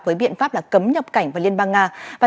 với biện pháp là cấm nhập cảnh vào liên bang nga